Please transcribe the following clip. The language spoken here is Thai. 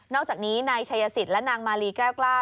อกจากนี้นายชัยสิทธิ์และนางมาลีแก้วกล้า